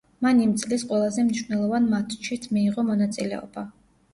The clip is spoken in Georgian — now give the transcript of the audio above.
მან იმ წლის ყველაზე მნიშვნელოვან მატჩშიც მიიღო მონაწილეობა.